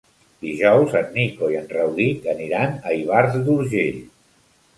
Dijous en Nico i en Rauric aniran a Ivars d'Urgell.